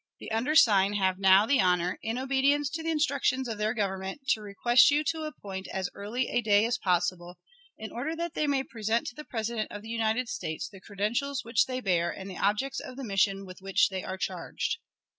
The undersigned have now the honor, in obedience to the instructions of their Government, to request you to appoint as early a day as possible, in order that they may present to the President of the United States the credentials which they bear and the objects of the mission with which they are charged.